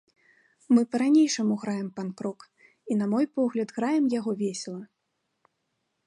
Мы па-ранейшаму граем панк-рок і, на мой погляд, граем яго весела.